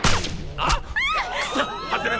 あっ！